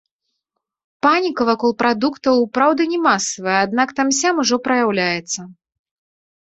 Паніка вакол прадуктаў, праўда, не масавая, аднак там-сям ужо праяўляецца.